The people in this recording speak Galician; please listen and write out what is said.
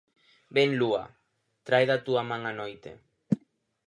Ven lúa, trae da túa man a noite.